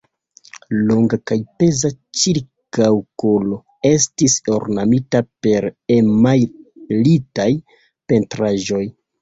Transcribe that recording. Longa kaj peza ĉirkaŭkolo estis ornamita per emajlitaj pentraĵoj.